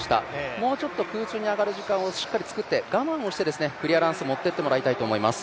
もうちょっと空中に上がる時間をしっかり作って我慢をしてクリアランスにもっていってもらいたいと思います。